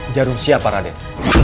jarum siapa raden